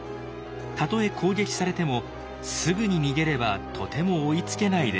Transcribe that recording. たとえ攻撃されてもすぐに逃げればとても追いつけないであろう」。